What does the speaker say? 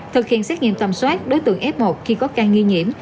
thực hiện xét nghiệm tầm soát đối tượng f một khi có ca nghi nhiễm